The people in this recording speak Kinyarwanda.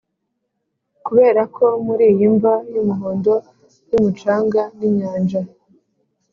kuberako muri iyi mva yumuhondo yumucanga ninyanja